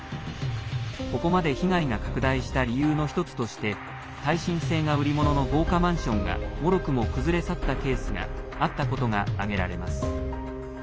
ここまで被害が拡大した理由の１つとして耐震性が売り物の豪華マンションがもろくも崩れ去ったケースがあったことが、挙げられます。